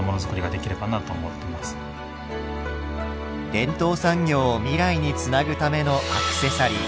伝統産業を未来につなぐためのアクセサリー。